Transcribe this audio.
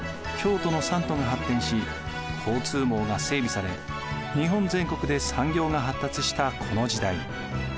京都の三都が発展し交通網が整備され日本全国で産業が発達したこの時代。